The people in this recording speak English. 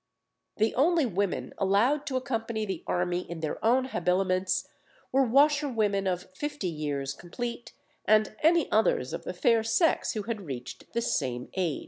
The only women allowed to accompany the army in their own habiliments were washerwomen of fifty years complete, and any others of the fair sex who had reached the same age.